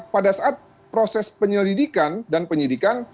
pada saat proses penyelidikan dan penyidikan